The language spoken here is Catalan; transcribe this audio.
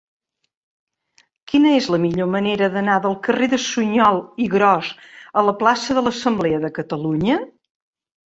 Quina és la millor manera d'anar del carrer de Suñol i Gros a la plaça de l'Assemblea de Catalunya?